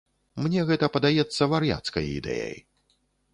Мне гэта падаецца вар'яцкай ідэяй.